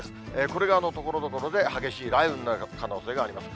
これがところどころで激しい雷雨になる可能性があります。